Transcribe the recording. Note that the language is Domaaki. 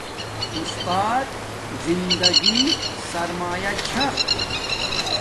اُستات زندگی سرمایہ چھا